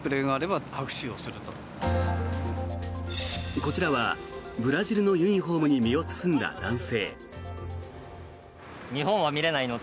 こちらはブラジルのユニホームに身を包んだ男性。